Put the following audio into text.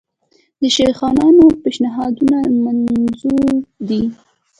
د شیخانانو پېشنهادونه منظور دي.